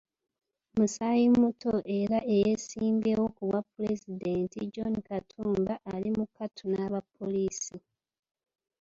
Musaayimuto era eyeesimbyewo ku bwapulezidenti, John Katumba, ali mu kattu n'aba pollisi.